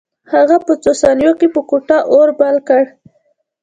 هغه په څو ثانیو کې په کوټه اور بل کړ